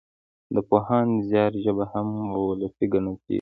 د پوهاند زيار ژبه هم وولسي ګڼل کېږي.